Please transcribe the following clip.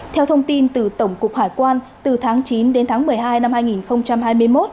theo thông tin từ tổng cục hải quan từ tháng chín đến tháng một mươi hai năm hai nghìn hai mươi một